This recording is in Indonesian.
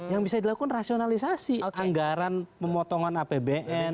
yang bisa dilakukan rasionalisasi anggaran pemotongan apbn